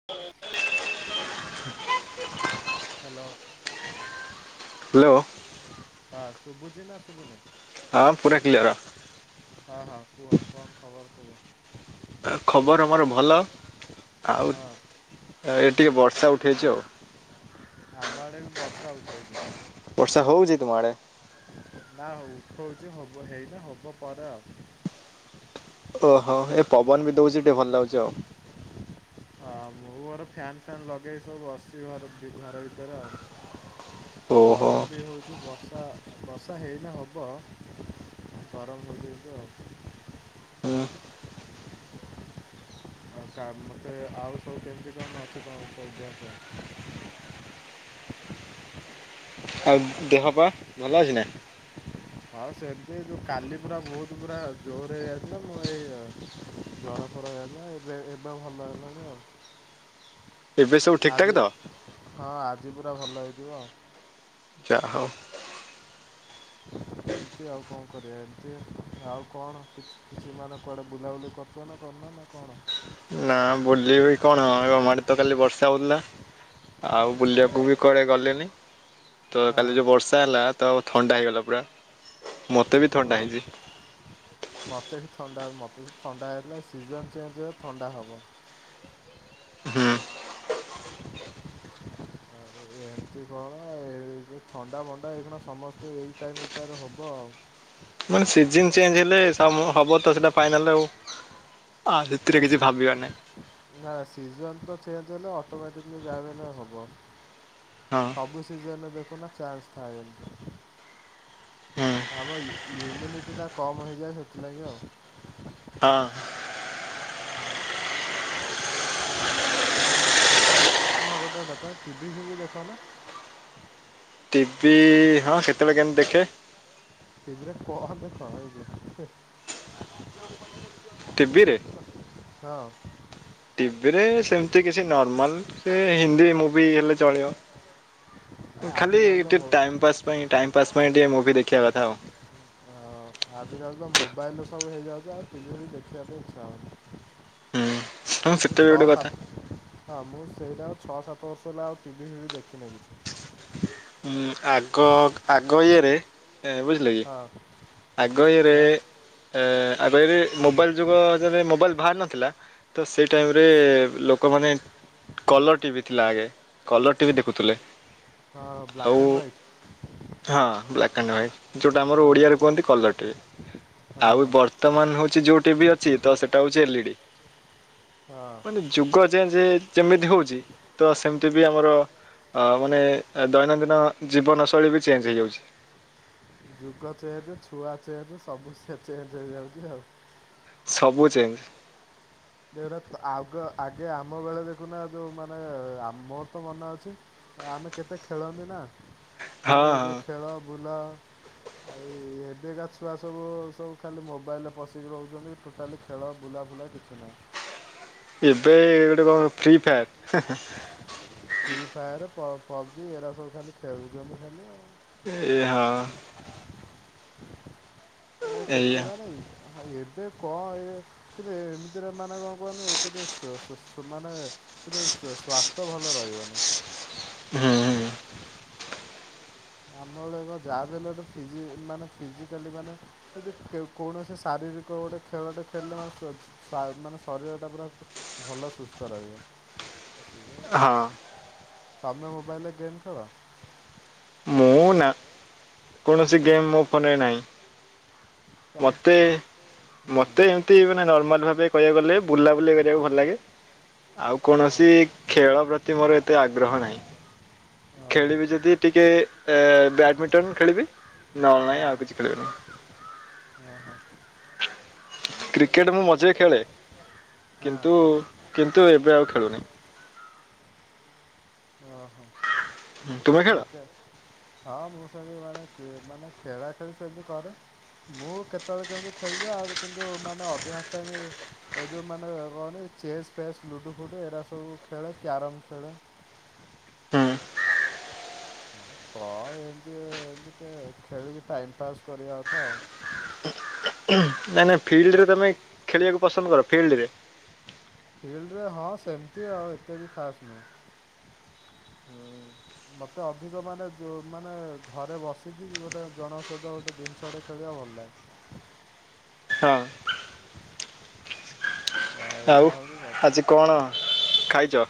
ହ hello. Hello. ହଁ ସୁବୁଛି ନା ଶବୁନେଇ? ହଁ ପୁରା କ୍ଲିୟର। ହଁ ହଁ କୁୁହ କଣ ଖବର କୁ ଖବର ଆମର ଭଲ ଆଉ ହଁ ଏ ଟିକେ ବର୍ଷା ଉଠେଇଚି ଆଉ। ଆମ ଆଡେ ବି ବର୍ଷା ଉଠେଇଚି। ବର୍ଷା ହଉଚି ତୁମେ ଆଡେ ନା ହଉ ଉଠଉଚି ହବ ହେଇନା ହବ ପରେ ଆଉ। ଓହୋ ଏ ପବନ ବି ଦଉଚି ଟିକେ ଭଲ ଲାଗୁଚି ଆଉ। ହଁ ମୁଁ ଘର ଫ୍ୟାନ ଫ୍ୟାନ ଲଗେଇି ସବୁ ବସଚି ଘରେ ଘର ଭିତରେ ଆଉ। ଓହୋ ଗରମ ବି ହୋଉ ଯେଉ ବର୍ଷା ବର୍ଷା ହେଇନେ ହବ ଗରମ ଲାଗିବ ଆଉ। ହୁଁ। କରତା ମତେ ଆଉ ସବୁ କେମିତି କଣ ଅଛି କଣ [unintelligible] ଆଉ ଦେହପା ଭଲ ଅଛି ନା ହଁ ସେମିତି ଯୋଉ କାଲି ପୁରା ବହୁତ ପୁରା ଜୋରରେ ଯାଇଥିଲା ମୁଁ ଏଇ ଜର ଫର ହେଲା ଏବେ ଏବେ ଭଲ ହେଲାଣି ଆଉ। ଏବେ ସବୁ ଠିକ ଠାକ ଆଜି ତ ହଁ ଆଜି ପୁରା ଭଲ ହେଇଥିବ ଆଉ। ଯା ହଉ। ହ ଏମତି ଆଉ କଣ କରିବା ଏମିତି ଆଉ କଣ? କିଛି ମାନେ କୁଆଡେ ବୁଲାବୁଲି କରୁଚ ନା କରୁନ ନା କଣ? ନା ବୁଲିବି କଣ ଆମ ଆଡେ ତ କାଲି ବର୍ଷା ହଉଥିଲା। ଆଉ ବୁଲିବାକୁ ବି କୁଆଡେ ଗଲେନି। ତ ହଁ କାଲି ଯଉ ବର୍ଷା ହେଲା ତ ଥଣ୍ଡା ହେଇଗଲା ପୁରା ମୋତେ ବି ଥଣ୍ଡା ହଁ ହେଇଚି। ମୋତେ ଥଣ୍ଡା ମତେ ବି ଥଣ୍ଡା ହେଲା ସିଜନ ଚେଞ୍ଜ ହେ ଥଣ୍ଡା ହେବ। ହୁଁ। [unintelligible] ଏମତି କଣ ଏ ଯଉଁ ଥଣ୍ଡା ମଣ୍ଡା ଏଇ କଣ ସମସ୍ତେ ଏଇ ଟାଇମଟାରୁ ହବ ମାନେ ସିଜନ ଚେଞ୍ଜ ହେଲେ ସମ ହବ ତ ସେଟା ଫାଇନାଲ ଆଉ ଆ ନା ସେଥିରେ କିଛି ଭାବିବାର ନାହିଁ। ନା ସିଜନ ତ ଚେଞ୍ଜ ହେଲେ ଅଟୋମେଟିକ୍ଲି ଯାବି ହେଲେ ହବ। ହଁ ସବୁ ସିଜନରେ ଦେଖୁନ ଚାନ୍ସ ଥାଏ ଏମତି। ହୁଁ [unintelligible] ଇୟୁମିଟି ଟା କମ୍ ହେଇଯାଏ ସେଥିଲାଗି ଆଉ ହଁ। ଆଉ ତ ତମ ହଁ ଗୋଟେ ଟା ତେ ଟିଭି ଫିଭି ଦେଖ ନା। ଟି ଭି ହଁ ସେତବେଳେ କେମିତି ଦେଖେ। ଟି ଭିରେ କଣ ଦେଖ ଏଇ ଯଉ ହେ ଟି ଭିରେ ହଁ। ଟିଭିରେ ସେମତି କିଛି ନର୍ମାଲ ସେ ହିନ୍ଦୀ ମୁଭି ହେଲେ ଚଳିବ। ଖାଲି ଆଜିକାଲି ତ ଟିକେ ମୋ ଟାଇମ ପାସ୍ ପାଇଁ ଟାଇମ ପାସ୍ ପାଇଁ ଟିକେ ମୁଭି ଦେଖିବା କଥା ଆଉ। ହଁ ଆଜିକାଲି ତ ମୋବାଇଲରୁ ସବୁ ହେଇଯାଉଛି ଆଉ ଟି ଭି ଫିବି ଦେଖିବା ପାଇଁ ଇଚ୍ଛା ହଉନି। ହୁଁ। ହଁ ମୁଁ ସେଟା ବି ଛଅ ଗୋଟେ କଥା ସାତ ହଁ ମୁଁ ସେଇଟା ଆଉ ଛଅ ସାତ ବର୍ଷ ହେଲା ଆଉ ଟି ଭି ଫିଭି ଦେଖିନେଲିି। ହୁଁ ଆଗ ଆଗ ଇଏରେ ଏ ବୁଝି ଲେକି ହଁ ଆଗ ଇଏରେ ଆଁ ଏ ଆଗ ଇଏରେ ମୋବାଇଲ୍ ଯୁଗ ଯଦି ମୋବାଇଲ୍ ବାହାର ନଥିଲା। ତ ସେଇ ଟାଇମରେ ଲୋକମାନେ କଲର ଟିଭି ଥିଲା ଆଗେ କଲର ଟି ଭି ଦେଖୁଥିଲେ। ହଁ ବ୍ଲାକ୍ ଆଉ ଆଣ୍ଡ ହ୍ୱାଇଟ। ହଁ ବ୍ଲାକ୍ ଆଣ୍ଡ ହ୍ୱାଇଟ୍ ଯୋଉଟା ଆମର ଓଡିଆରେ ହଁ କୁହନ୍ତି କଲର ଟି ଭି ହଁ ଆଉ ହଁ ବ ର୍ତ୍ତମାନ ହଉଛି ଯୋଉ ଟିଭି ଅଛି ତ ସେଟା ହଉଛି ଏଲ ଇଡି ହଁ। ମାନେ ଯୁଗ ଚେଞ୍ଜ ଯେମିତି ହଉଛି ତ ସେମିତି ବି ଆମର ଅ ମାନେ ଏ ଦୈନନ୍ଦିନ ଜୀବନଶୈଳୀ ବି ଚେଞ୍ଜ ହେଇଯାଉଛି। ଯୁଗ ଚେଞ୍ଜ ଛୁଆ ଚେଞ୍ଜ ସବୁ ସେ ଚେଞ୍ଜ ହେଇଯାଉଛି ଆଉ। ସବୁ ଚେଞ୍ଜ ଏଇଟାର ଆଗ ଆଗେ ଆମ ବେଳେ ଦେଖୁନା ଯୋଉ ମାନେ ଆ ମୋର ତ ମନେ ଅଛି। ଆମେ କେତେ ଖେଳନ୍ତିନା ହଁ ମାନେ ହଁ ଯଉ ଖେଳ ବୁଲ ଏଇ ଏବେକା ଛୁଆ ସବୁ ସବୁ ଖାଲି ମୋବାଇଲରେ ପଶିକି ରହୁଛନ୍ତି ଟୋଟାଲି ଖେଳ ବୁଲାଫୁଲା କିଛି ନାହିଁ। ଏବେ ଗୋଟେ କଣ ଫ୍ରି ଫାୟାର ହେଁ ହେଁ। ଫ୍ରି ଫାୟାର୍ ପ-ପବ୍ଜି ଏରା ସବୁ ଖାଲି ଖେଳୁଛନ୍ତି ଖାଲି ଆଉ। ଏ ହଁ। ଏ କେତେ ଏଇଆ। ବାନାଇ ଭାଇ ଏବେ କନ ଏ କିନ୍ତୁ ଏମିତିରେ ମାନେ କଣ କୁହନି ଏକତ ସ-ସେମାନେ [unintelligible] ସ୍ଵାସ୍ଥ୍ୟ ଭଲ ରହିବନି। ହୁଁ ହୁଁ। ଆମ ବେଳେ କଣ ଯାହାବି ହେଲେ ଗୋଟେ ଫିଜି ମାନେ ଫିଜାକାଲି ମାନେ ଯଦି କେ କୌଣସି ଶାରୀରିକ ଗୋଟେ ଖେଳଟେ ଖେଳିଲେ ମାନେ [unintelligible] ଶ୍ୱା ମାନେ ଶରୀରଟା ପୁରା ଭଲ ସୁସ୍ଥ ରହିବ। ହଁ। ତମେ ମୋବାଇଲରେ ଗେମ ଖେଳ? ମୁଁ ନା କୌଣସି ଗେମ୍ ମୋ ଫୋନରେ ନାହିଁ। ମତେ ହୁଁ ହୁଁ। ମତେ ଏମାତି ନର୍ମାଲ୍ ଭାବେ କହିବାକୁ ଗଲେ ବୁଲାବୁଲି କରିବାକୁ ଭଲ ଲାଗେ ଆଉ ହଁ କୌଣସି ଖେଳ ପ୍ରତି ମୋର ଏତେ ଆଗ୍ରହ ନାହିଁ। ଓହୋ ଖେଳିବି ଯଦି ଟିକେ ଏ ବ୍ୟାଡମିଟନ। ଖେଳିବି ନହେଲେ ନାଇଁ ହଁ ଆଉ କିଛି ଖେଳିବିନି। ଓହୋ କ୍ରିକେଟ ମୁଁ ମଝିରେ ଖେଳେ ହଁ କିନ୍ତୁ କିନ୍ତୁ ଏବେ ଆଉ ଖେଳୁନି। ହଁ ହଁ। ହୁଁ। [unintelligible] ହଁ ମୁଁ ସେମତି ମାନେ ଏ ମାନେ ଖେଳା ଖେଳି ସେମତି କରେ। ମୁଁ କେତେବେଳେ କେମତି ଖେଳଦିଏ ଆଉ କିନ୍ତୁ ମାନେ ଅଧିକାଂଶ ଟାଇମ ଏ ଯେଉଁ ମାନେ କଣ କି ଚେସ୍ ଫେସ୍ ଲୁଡ଼ୁ ଫୁଡ଼ୁ ଏରା ସବୁ ଖେଳେ କ୍ୟାରମ୍ ଖେଳେ। ହୁଁ ହଁ ଏମତି ଏମତି ଟିକେ ଖେଳିକି ଟାଇମ ପାସ୍ କରିବା କଥା ଆଉ। ନାଇଁ ନାଇଁ ଫିଲ୍ଡରେ ତୁମେ ଖେଳିବାକୁ ପସନ୍ଦ କର ଫିଲ୍ଡରେ? ଫିଲ୍ଡରେ ହଁ ସେମିତି ଆଉ ଏତେ ବି ଖାସ୍ ନୁହେଁ। ହୁଁ। ମତେ ଅଧିକ ମାନେ ଯୋ ମାନେ ଘରେ ବସିକି ଗୋଟେ ଜଣଙ୍କ ସହିତ ଗୋଟେ ଦିନ ଛୁଆଟେ ଖେଳିବା ଭଲ ଲାଗେ। ହଁ ହଁ ଆଉ ଏଇଟା ହଉଛି କଥା। ଆଜି କଣ ଖାଇଛ?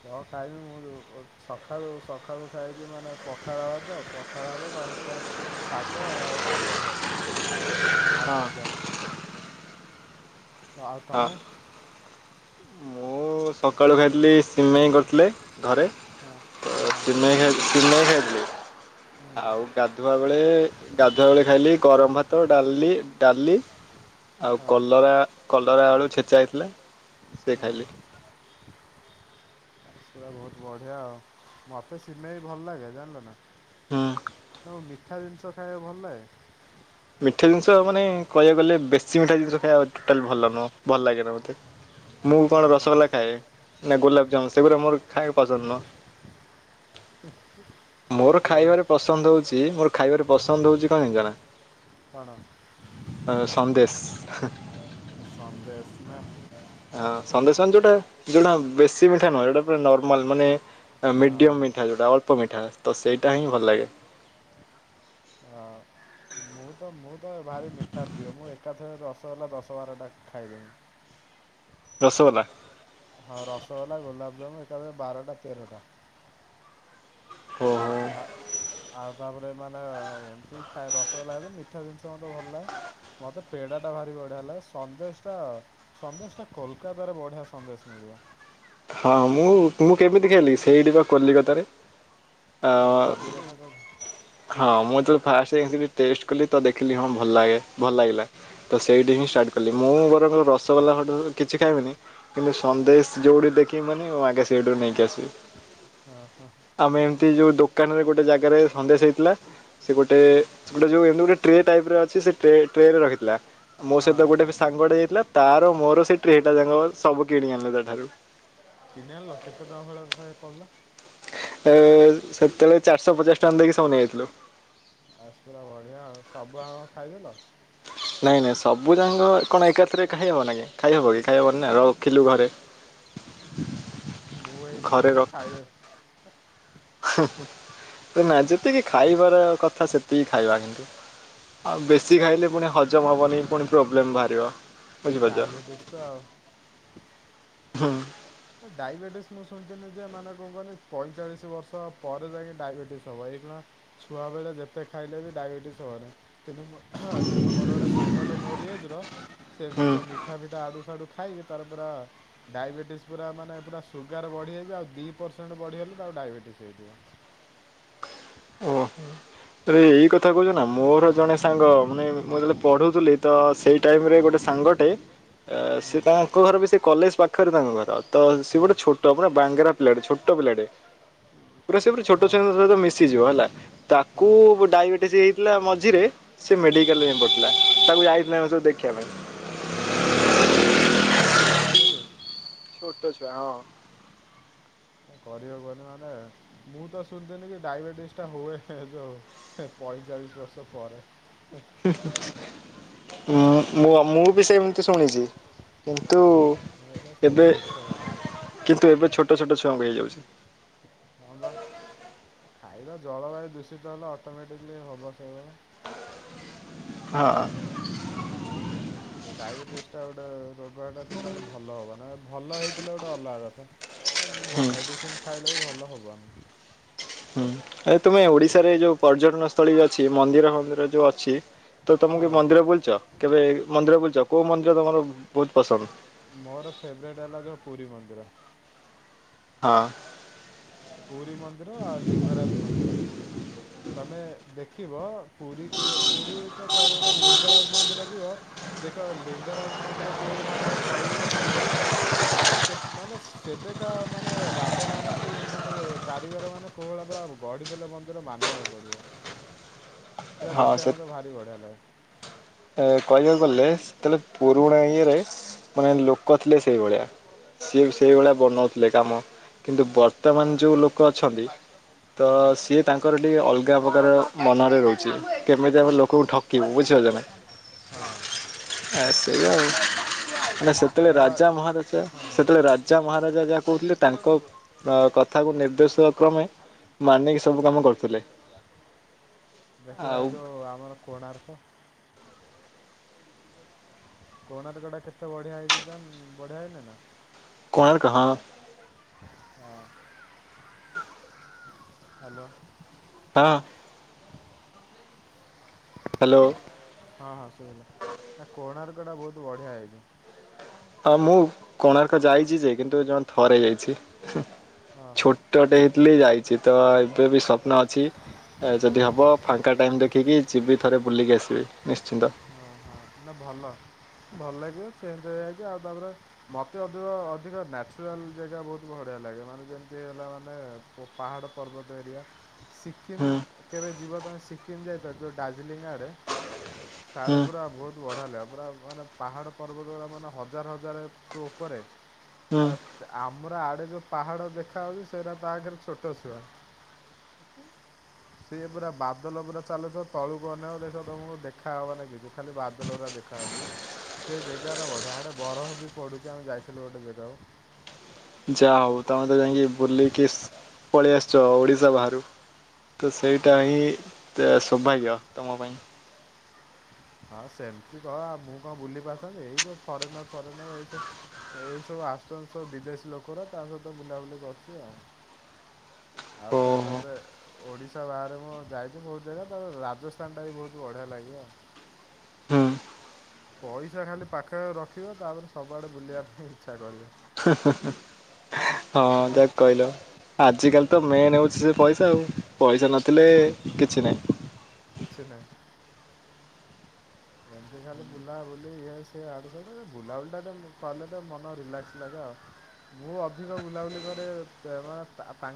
କଣ ଖାଇବି ମୁଁ ଯୋଉ ଓ ସକାଳୁ ସକାଳୁ ଖାଇକି ମାନେ ପଖାଳ ଭାତ ପଖାଳ ଭାତ ତା ସହିତ ଶାଗ ଆଉ ଆମ୍ବ ଆଉ ହଁ ଭଜା। ତ ଆଉ ହଁ ତମେ? ମୁଁ ସକାଳୁ ଖାଇଥିଲି ସିମେଇ କରିଥିଲେ ଘରେ ହଁ ତ ହଁ ସିମେଇ ଖାଇ ସିମେଇ ଖାଇଥିଲି ଆଉ ଗାଧୁଆ ବେଳେ ଗାଧୁଆବେଳେ ଖାଇଲି ଗରମ ଭାତ ଡାଲି ଡାଲି ଆଉ ହଁ କଲରା କଲରା ଆଳୁ ଛେଚା ହେଇଥିଲା ସେ ହଁ ଖାଇଲି। ହ ହ ସେରା ବହୁତ ବଢିଆ ଆଉ ମତେ ସିମେଇ ଭଲ ଲାଗେ ଜାଣିଲ ନା। ହୁଁ। ତମକୁ ମିଠା ଜିନିଷ ଖାଇବାକୁ ଭଲ ଲାଗେ? ମିଠା ଜିନିଷ ମାନେ କହିବାକୁ ଗଲେ ବେଶୀ ମିଠା ଜିନିଷ ଖାଇବା ଟୋଟାଲ ଭଲ ନୁହଁ ଭଲ ଲାଗେନା ମତେ। ମୁଁ କଣ ଓହୋ ରସଗୋଲା ଖାଏ ନା ଗୋଲାପଜାମୁ ସେଗୁଡା ମୋର ଖାଇବା ପସନ୍ଦ ନୁହଁ। ଉ। ମୋର ଖାଇବାରେ ପସନ୍ଦ ହୋଉଛି ମୋର ଖାଇବାରେ ପସନ୍ଦ ହୋଉଛି କଣ ଜଣିଛ ନା। କଣ? ଅ ସନ୍ଦେଶ। ସନ୍ଦେଶ ନା। ହ ସେନ୍ଦେଶ ମାନେ ଯୋଉଟା ଯୋଉଟା ବେଶୀ ମିଠା ନୁହଁ ଯୋଉଟା ପୁରା ନର୍ମାଲ ମାନେ ହଁ ମିଡିୟମ ମି ମିଠା ଯେଉଟା ଅଳ୍ପ ମିଠା ତ ସେଇଟା ହିଁ ଭଲ ଲାଗେ। ହଁ। ମୁଁ ତ ମୁଁ ତ ଭାରି ମିଠା ପ୍ରିୟ ମୁଁ ଏକାଥରେ ରସଗୋଲା ଦଶ ବାରଟା ଖାଇଦେବି। ରଶଗୋଲା? ହଁ ରସଗୋଲା ଗୋଲାପଜାମୁ ଏକାଥରେ ବାରଟା ତେରଟା। ଓହୋ। ଆ ଆଉ ତାପରେ ମାନେ ଏମତି ଖାଏ ରସଗୋଲା ହେଲେ ମିଠା ଜିନିଷ ମତେ ଭଲ ଲାଗେ। ମତେ ପେଡ଼ାଟା ଭାରି ବଢିଆ ଲାଗେ ସନ୍ଦେଶ ଟା ସନ୍ଦେଶ ଟା କୋଲକାତାରେ ବଢିଆ ସନ୍ଦେଶ ମିଳିବ। ହଁ ମୁଁ ମୁଁ କେମିତି ଖାଇଲି ସେଇଠିି ପା କଲିକତାରେ। ଆ। ଓ କଲିକଥା କହୁଛ ହଁ ମୁଁ ଯେତେବେଳେ ଫାଷ୍ଟ ଯାଇଥିଲି ଟେଷ୍ଟ କଲି ତ ଦେଖିଲି ହଁ ଭଲ ଲାଗେ ଭଲ ଲାଗିଲା। ତ ସେଇଠି ହିଁ ଷ୍ଟାର୍ଟ କଲି। ମୁଁ ବରଂ ରସଗୋଲା ଫଟ କିଛି ଖାଇବିନି କିନ୍ତୁ ସନ୍ଦେଶ ଯୋଉଠି ଦେଖ ଖିବି ମାନେ ଆଗେ ସେଇଠୁରୁ ନେଇକି ଆସିବି। ଆମେ ଏମିତି ଯୋଉ ଦୋ କାନରେ ଗୋଟେ ଜାଗାରେ ସନ୍ଦେଶ ହେଇଥିଲା। ସେ ଗୋଟେ ଗୋଟେ ଯୋଉ ଏମିତି ଗୋଟେ ଟ୍ରେ ଟାଇପ ର ଅଛି ସେ ଟେ ଟ୍ରେରେ ରଖିଥିଲା ମୋ ହଁ ସହିତ ଗୋଟେ ପିଶ୍ ସାଙ୍ଗଟେ ଯାଇଥିଲା ତାର ମୋର ସେ ଟ୍ରେଟା ଯାକ ସବୁ କିଣି ଆଣିଲୁ ତାଠାରୁ। କିିନ ଆଣିଲ। କେତେ ଟଙ୍କା ଭଳିଆ ତଥାପି ପଡିଲା? ଏ ସେତେବେଳେ ଚାରିଶହ ପଚାଶ ଟଙ୍କା ଦେଇକି ସବୁ ନେଇଯାଇଥିଲୁ। ଆସ ପୁରା ବଢ଼ିଆ ଆଉ। ସବୁ ଆଙ୍କ ଖାଇଦେଲ? ନାଇଁ ନାଇଁ ସବୁ ଯାଙ୍କ କଣ ଏକାଥରେ ଖାଇହବ ନା ଖାଇହବ କି ଖାଇହବନିନା ରଖିଲୁ ଘରେ। ମୁଁ ଏଇଦିନ ଘରେ ମୁଁ ରଖ ଖାଇ ଆଛି ନା ଯେତିକି ଖାଇବାର କଥା ସେତିକି ଖାଇବା କିନ୍ତୁ ଆଉ ବେଶୀ ନା ଖାଇଲେ ପୁଣି ହଜମ ହେବନି ପୁଣି ପ୍ରୋବ୍ଲେମ୍ ବାହାରିବ ବୁଝିପାରୁଛ ଡାଇବେଟିସ୍ ତ ଆଉ ହୁଁ ଡାଇବେଟିସ୍ ମୁଁ ଶୁଣିିନି ଯେ ମାନେ କଣ କନି ପଇଁଚାଳିଶ ବର୍ଷ ପରେ ଯାଇକ ଡାଇବେଟିସ୍ ହବ ହେଇଗ ଛୁଆ ବେଳେ ଯେତେ ଖାଇଲେ ବି ଡାଇବେଟିସ୍ ହବନ କିନ୍ତୁଁ କିନ୍ତୁ ମୋର ଗୋଟେ ସାଙ୍ଗଟେ ମୋର ଇଏଜର ହୁଁ ସେଁ ମିିଠା ପିଠା ଆଡ଼ୁ ସଡ଼ୁ ଖାଇକି ତାପ ଡାଇବେଟିସ୍ ପୁରା ମାନେ ପୁରା ସୁଗାର ବଢ଼ିଯାଇଛି ଆଉ ଦୁଇ ପରସେଣ୍ଟ ବଢ଼ିଗଲେ ତାକୁ ଡାଇବେଟିସ୍ ହେଇଯିବ ଓହୋ ଏଇ କଥା କହୁଛ ନା ମୋର ଜଣେ ସାଙ୍ଗ ମାନେ ମୁଁ ଯେତେବେଳେ ପଢ଼ୁଥିଲି ତ ସେଇ ଟାଇମରେ ଗୋଟେ ସାଙ୍ଗ ହୁଁ ସେ ତାଙ୍କ ଘର ବି ସେ କଲେଜ ପାଖରେ ତାଙ୍କ ଘର ତ ସ ହଁ ଗୋଟେ ଛୋଟ ପା ବାଙ୍ଗେରା ପିଲାଟେ ଛୋଟ ପିଲାଟେ ପୁରା ସେ ପ ଛୋଟ ହଁ ଛଆଙ୍କହିତ ମିଶ ିଯିବ ହେଲା ହଁ ତାକୁ ଡାଇବେଟିସ୍ ା ମଝିରେ ସେ ମେଡିକାଲ ଯ ପଡିଲା ତାକୁ ଯାଇଥିଲା ସବୁ ଦେଖିବା ପାଇଁ ମ ଛୋଟଛୁଆ ତ ହେଇଛି ମେ ଡାଇବେଟିସ୍ ଛୋଟଛ ହଁ କରିବ କନି ମାନେ ମୁଁ ତ ଶୁଣିିନି କି ଡାଇବେଟିସ ଟା ହୁଏ ଏ ଯୋଉ ପଇଁଚାଳିଶ ବର୍ଷର ପରେ ଁ ମୁଁ ମୁଁ ବି ସେମିତି ଶୁଣିଛି କିନ୍ତୁ ଏଇଟା ସବୁ ଏବେ ମିଛ କଥା କିନ୍ତୁ ଏବେ ଛୋଟ ଛୋଟ ଛୁଆଙ୍କୁ ହେଇଯାଉଛି ହଁ ବା ଖାଇବା ଜଳବାୟୁ ଦୂଷିତ ହେଲେ ଅଟୋମେଟିକଲି ହବ ସେଇଗ ହଁ ଡାଇବେଟିସ୍ ସେଟା ଗୋଟେ ରୋଗଟା ଟୋଟାଲ ଭଲ ହବ ନା ଭଲ ହେଇଥିଲା ଗୋଟେ ଅଲଗା କଥା ହୁଁ ମେଡ଼ିସିନ ଖାଇଲେ ବି ଭଲ ହେବନି ହୁଁ ଏ ତୁମେ ଓଡିଶାରେ ଯୋଉ ପର୍ଯ୍ୟଟନ ସ୍ଥଳୀ ଅଛି ମନ୍ଦିର ମନ୍ଦିର ଯୋଉ ଅଛି ତ ତମକୁ କି ହଁ ମନ୍ଦିର ବୁଲଛ କେବେ ମନ୍ଦିର ବୁଲୁଛ କୋଉ ମନ୍ଦିର ତମର ବହୁତ ପସନ୍ଦ ମୋର ଫେବରେଟ୍ ହେଲା ଯେଉଁ ପୁରୀ ମନ୍ଦିର ହଁ ପୁରୀ ମନ୍ଦିର ଆଉ ଲିଙ୍ଗରାଜ ମନ୍ଦିର ତମେ ଦେଖିବ ପୁରୀ କି ପୁରୀ ତ ଚଳିବ ଲିଙ୍ଗରାଜ ମନ୍ଦିର ଯିବ ଦେଖ ଲିଙ୍ଗରାଜ ମନ୍ଦିର ଯୋଉ ମାନେ ଶୈଳୀର ପୁର ହେଇଛି ମାନେ କେେ ମାନେ ସେବେକା ମାନେ ରାଜା ମାନେ କି ମାନେ କାରିଗର ମାନେ କୋଉହଳି ପୁରରା ଗଢିଦେଲେ ମନ୍ଦିର ମାନ ିବାକୁ ପଡିବ ପା ହଁ ଦେଖିବାକୁ ସେ ମତେ ଭାରି ବଢିଆ ଲାଗେ ଏ କହିବାକୁ ଗଲେ ସେତେବେଳେ ପୁରୁଣା ଇଏରେ ମାନେ ଲୋକ ଥିଲେ ସେଇଭଳିଆ ସିଏ ସେଇଭଳିଆ ବନାଉଥିଲେ କାମ କିନ୍ତୁ ବର୍ତ୍ତମାନ ଯୋଉ ଲୋକ ଅଛନ୍ତି ତ ସିଏ ତାଙ୍କ ଲୋକର ଟିକେ ଅଲଗା ପ୍ରକାର ମନରେ ରହୁଛି କେମିତି ଆମେ ଲୋକକୁ ଠକିବୁ ବୁଝିପାରୁଛ ନା ହଁ ଆ ସେଇା ଆଉ ମାନେ ସେତେବେଳେ ଏଇଟା ବା ରାଜା ମହାଦଶ ହଁ ହଁ। ସେତେବେଳେ ରାଜା ପଚା ମହାରାଜା ଯାହା କହୁଥିଲେ ତାଙ୍କ କଥାକୁ ନିର୍ଦ୍ଦେଶିବା କ୍ରମେ ମାନିକି ସବୁ କାମ କରୁଥିଲେ ଆଉ ଦେଖୁରଉ ଯୋଉ ଆମର କୋଣାର୍ ତ କୋଣାର୍କଟା କେତେ ବଢ଼ିଆ ହେଇଛି ବଢ଼ିଆ ହେଇନି ନା କଣାର୍ କ ହଁ ହଁ ହ୍ୟାଲୋ ହଁ ହ୍ୟାଲୋ ହଁ ହଁ ସେଇଆ ନା କୋଣାର୍କଟା ବହୁତ ବଢିଆ ହେଇଛି। ହଁ ମୁଁ କୋଣାର୍କ ଯାଇଛି ଯେ କିନ୍ତୁ ଜଣ ଥରେ ଯାଇଛି ହଁ ହଁ। ଛୋଟଟେ ହେ ଲି ଯାଇଛି ତ ଏବେ ବି ସ୍ୱପ୍ନ ଅଛି ଯଦି ହବ ଫାଙ୍କା ଟାଇମ୍ ଦେଖିକି ଯିବି ଥରେ ବୁଲିକି ଆସିବି ନିଶ୍ଚିନ୍ତ। ହଁ ହୋ ନା ଭଲ ଭଲ ଲାଗିବ ଚେଞ୍ଜ ହେଇଯାଇକି ଆଉ ତାପରେ ମୋତେ ଅଧିକ ଅଧିକ ନ୍ୟାଚୁରାଲ୍ ଜାଗା ବହୁତ ବଢ଼ିଆ ଲାଗେ ମାନେ ଯେମିତି ହେଲା ମାନେ ଓ ପାହାଡ଼ ପର୍ବତ ଏରିଆ। ସିକିମ୍ ହୁଁ କେବେ ଯିବା ପାଇଁ ସିକିମ୍ ଯାଇଥା ଯୋଉ ଦଡାର୍ଜିଲିଂ ଆଡେ। ହୁଁ ଶାଢ଼େ ପୁରା ବହୁତ ବଢ଼ା ହେ ପୁରା ମାନେ ପାହାଡ଼ ପର୍ବତ ଗା ମାନେ ହଜାର ହଜାରୁ ଉପରେ। ଆ ହୁଁ ଆମର ଆଡେ ଯୋଉ ପାହାଡ ଦେଖାହଉଛି ସେଇଟା ତାଖରେ ଛୋଟ ଛୁଆ ସିଏ ପୁରା ବାଦଲ ପୁରା ଚାଲୁଛ ତଳୁକୁନେସ ତମକୁ ଦେଖାହବନା। ବେ ଖାଲି ବାଦଲା ଦେଖାଯାଉଛିି ପା। ସେ ଜାଗା ର ବଢିଆଡେ ବରଫ ବି ପଡୁଛି ଆମେ ଯାଇଥିଲୁ ଗୋଟେ ଯାଗାକୁ। ଯାହା ହଉ ତମେ ତ ଯାଇକି ବୁଲିକି ପଳେଇ ଆସିଛ ଓଡିଶା ବାହାରକୁ। ତ ସେଇଟା ହଁ ହିଁ ସୌଭାଗ୍ୟ ତମ ପାଇଁ। ହଁ ସେମିତି କହ ମୁଁ କଣ ବୁଲି ପାରୁଥାନ୍ତି ଏଇ ଯୋ ଫରେନର ଫରେନର ଏଇ ତ ଏଇ ସବୁ ଆସୁଛନ୍ତି ସବୁ ବିଦେଶୀ ଲୋକର ତା ସହିତ ବୁଲାବୁଲି କରୁଛି ଆଉ। ଆଉ ସେ ଓହୋ ତାପରେ ଓଡିଶା ବାହାରେ ମୁଁ ଯାଇଛି ବହୁତ ଜାଗା ତ ରାଜସ୍ଥାନଟା ବି ବହୁତ ବଢିଆ ଲାଗେ ଆଉ। ହୁଁ ପଇସା ଖାଲି ପାଖରେ ରଖିବ ତାପରେ ସବୁଆଡ଼େ ବୁଲିବା ପାଇଁ ଇଚ୍ଛା କରିବେ। ହଁ ବା ଯାକ କହିଲ ଆଜିକାଲି ତ ମେନ୍ ହଉଛି ସେ ପଇସା ଆଉ ପଇସା ନଥିଲେ କିଛି ନାହିଁ। କିଛି ନାହିଁ। ଏମିତି ଖାଲିଲେ ବୁଲାବୁଲି ଇଏ ସଏ ଆଡୁ ସୁ ବୁଲାବୁଲିଟା କଲେ ତ ମନ ରିଲାକ୍ସ ଲାଗେ ଆଉ ମୁଁ ଅଧିକ ବୁଲାବୁଲି କରେ ତାଙ୍କର